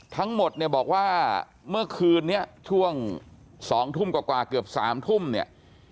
ทั้งหมดเนี่ยบอกว่าเมื่อคืนนี้ช่วง๒ทุ่มกว่าเกือบ๓ทุ่มเนี่ย